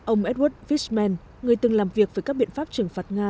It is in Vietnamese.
ông edward fisman người từng làm việc với các biện pháp trừng phạt nga